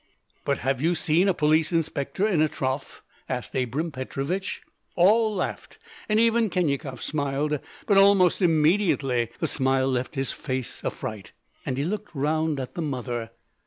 "But have you seen a police inspector in a trough?" asked Abram Petrovich. All laughed, and even Khinyakov smiled; but almost immediately the smile left his face affright, and he looked round at the mother.